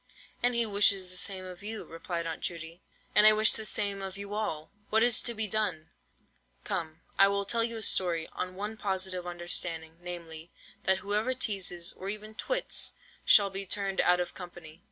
"And he wishes the same of you," replied Aunt Judy, "and I wish the same of you all. What is to be done? Come, I will tell you a story, on one positive understanding, namely, that whoever teazes, or even twits, shall be turned out of the company."